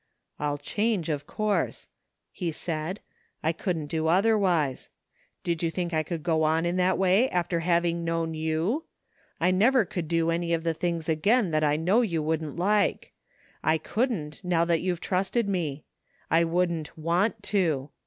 " I'll change, of course,'* he said. " I couldn't do otherwise. Did you think I could go on that way after having known you? I never could do any of the things again that I know you wouldn't like. I couldn't, now that you've trusted me. I wouldn't want to.